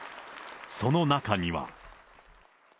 その中には。